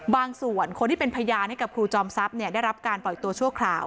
ส่วนคนที่เป็นพยานให้กับครูจอมทรัพย์ได้รับการปล่อยตัวชั่วคราว